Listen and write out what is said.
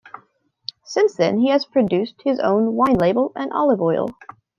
Since then, he has produced his own wine label and olive oil.